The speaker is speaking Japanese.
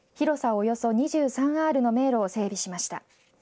およそ２３アールの迷路を整備しました。